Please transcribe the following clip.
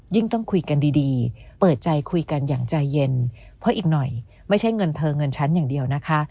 ต้องคุยกันดีเปิดใจคุยกันอย่างใจเย็นเพราะอีกหน่อยไม่ใช่เงินเธอเงินฉันอย่างเดียวนะคะ